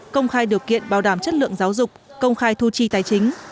công khai điều kiện bảo đảm chất lượng giáo dục công khai thu chi tài chính